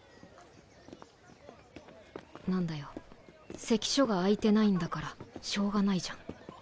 何だよ関所が開いてないんだからしょうがないじゃん。